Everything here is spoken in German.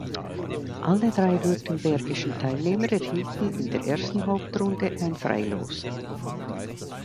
Alle drei württembergischen Teilnehmer erhielten in der ersten Hauptrunde ein Freilos.